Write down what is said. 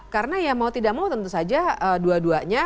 karena ya mau tidak mau tentu saja dua duanya